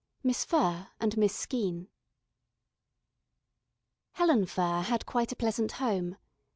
MISS FURR AND MISS SKEENE Helen Furr had quite a pleasant home.